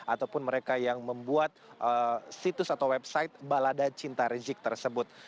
ataupun mereka yang membuat situs atau website balada cinta rizik tersebut